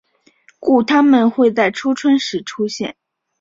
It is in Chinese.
故它们会在初春时出现。